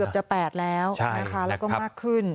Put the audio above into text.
เกือบจะ๘แล้วแล้วก็มากขึ้น